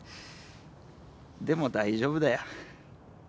でも大丈夫だよ